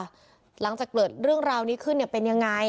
หลังจากเกิดเรื่องราวนี้ขึ้นเนี่ยเป็นยังไง